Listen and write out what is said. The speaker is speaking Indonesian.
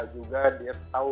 juga dia tahu